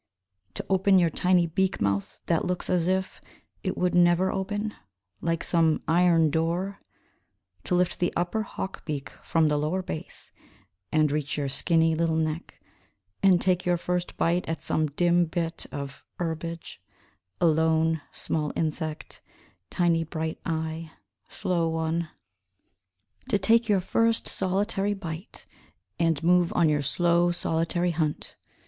To open your tiny beak mouth, that looks as if it would never open, Like some iron door; To lift the upper hawk beak from the lower base And reach your skinny little neck And take your first bite at some dim bit of herbage, Alone, small insect, Tiny bright eye, Slow one. To take your first solitary bite And move on your slow, solitary hunt.